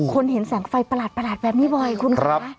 เห็นแสงไฟประหลาดแบบนี้บ่อยคุณคะ